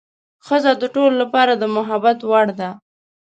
ښځه د ټولو لپاره د محبت وړ ده.